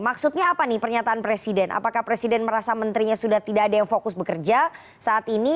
maksudnya apa nih pernyataan presiden apakah presiden merasa menterinya sudah tidak ada yang fokus bekerja saat ini